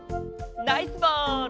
ナイスボール！